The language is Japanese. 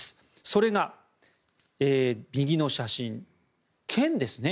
それが右の写真剣ですね。